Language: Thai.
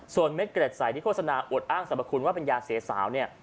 ส่วนเม็ดเกร็ดใสที่โฆษณาอวดอ้างสรรพคุณว่าเป็นยาเสียสาวเนี่ย